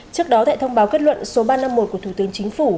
trước đó tại thông báo kết luận số ba trăm năm mươi một của thủ tướng chính phủ